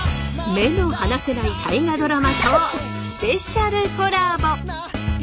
目の離せない「大河ドラマ」とスペシャルコラボ！